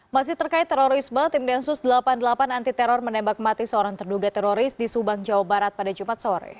masih terkait terorisme tim densus delapan puluh delapan anti teror menembak mati seorang terduga teroris di subang jawa barat pada jumat sore